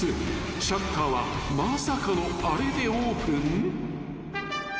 ［シャッターはまさかのあれでオープン］